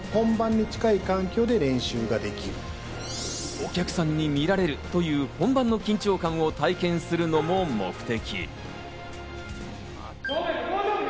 お客さんに見られるという本番の緊張感を体験するのも目的。